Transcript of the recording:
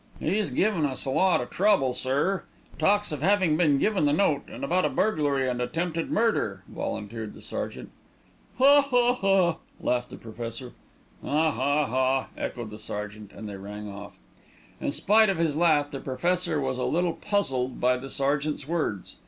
"He's givin' us a lot of trouble, sir. Talks of having been given the note, and about a burglary and attempted murder," volunteered the sergeant. "Ha, ha, ha!" laughed the Professor. "Ha, ha, ha!" echoed the sergeant, and they rang off. In spite of his laugh, the Professor was a little puzzled by the sergeant's words.